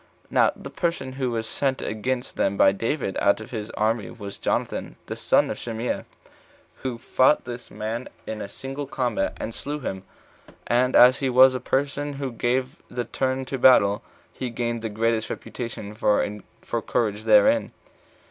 Now the person who was sent against them by David out of his army was Jonathan, the son of Shimea, who fought this man in a single combat, and slew him; and as he was the person who gave the turn to the battle, he gained the greatest reputation for courage therein.